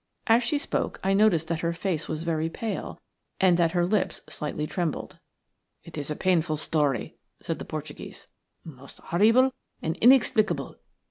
As she spoke I noticed that her face was very pale and that her lips slightly trembled. "It is a painful story," said the Portuguese, "most horrible and inexplicable."